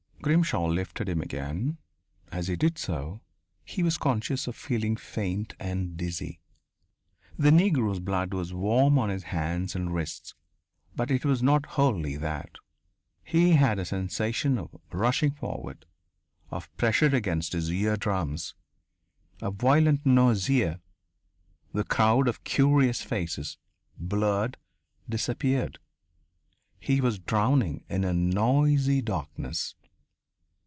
Grimshaw lifted him again. As he did so, he was conscious of feeling faint and dizzy. The Negro's blood was warm on his hands and wrists, but it was not wholly that He had a sensation of rushing forward; of pressure against his ear drums; a violent nausea; the crowd of curious faces blurred, disappeared he was drowning in a noisy darkness....